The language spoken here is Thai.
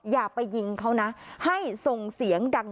อย่าไปยิงเขานะให้ส่งเสียงดัง